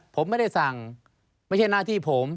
ผมไม่ได้สั่งไม่ใช่หน้าที่ผม